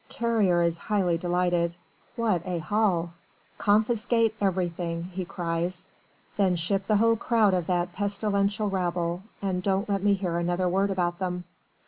Carrier is highly delighted. What a haul! "Confiscate everything," he cries, "then ship the whole crowd of that pestilential rabble, and don't let me hear another word about them."